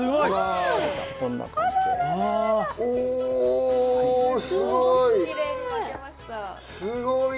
お、すごい！